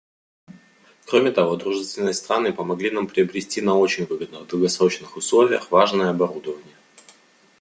Кроме того, дружественные страны помогли нам приобрести на очень выгодных долгосрочных условиях важное оборудование.